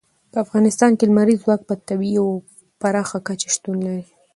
په افغانستان کې لمریز ځواک په طبیعي او پراخه کچه شتون لري.